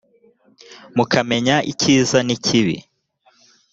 mukamenya icyiza n ikibi